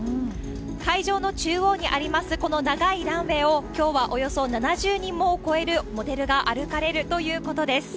会場の中央にあります、この長いランウエーを、きょうはおよそ７０人を超えるモデルが歩かれるということです。